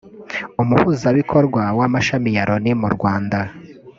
Umuhuzabikorwa w’amashami ya Loni mu Rwanda